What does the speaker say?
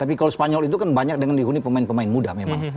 tapi kalau spanyol itu kan banyak dengan dihuni pemain pemain muda memang